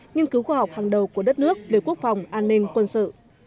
nghiên cứu khoa học hàng đầu của đất nước về quốc phòng an ninh quân sự